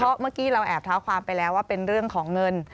เพราะเมื่อกี้เราแอบเท้าความไปแล้วว่าเป็นเรื่องของเงิน